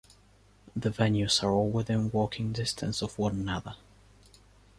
The venues are all within walking distance of one another.